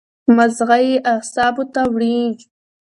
مازغه ئې اعصابو ته وړي